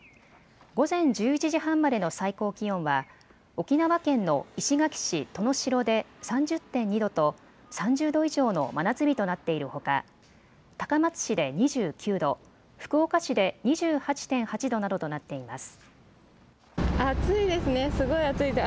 午前１１時半までの最高気温は沖縄県の石垣市登野城で３０．２度と、３０度以上の真夏日となっているほか高松市で２９度、福岡市で２８．８度などとなっています。